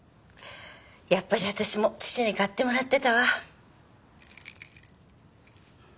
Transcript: やっぱり私も父に買ってもらってたわ。